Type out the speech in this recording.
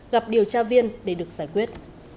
gặp điều tra viên để được giải quyết